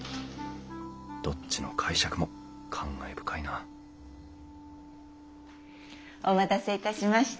どっちの解釈も感慨深いなお待たせいたしました。